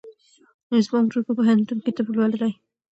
زما ورور په پوهنتون کې طب لولي.